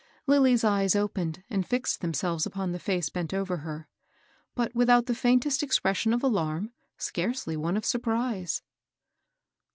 Lilly's eyes opened and fixed themselves upon the face bent over her ; but without the faintest expression of alarm, scarcely one of surprise.